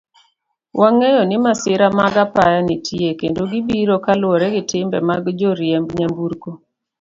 Wangeyo ni masira mag apaya nitie kendo gibiro kaluwore gi timbe mag joriemb nyamburko.